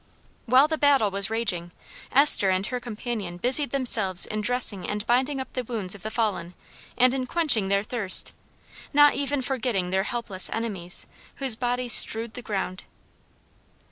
While the battle was raging, Esther and her companion busied themselves in dressing and binding up the wounds of the fallen, and in quenching their thirst, not even forgetting their helpless enemies, whose bodies strewed the ground.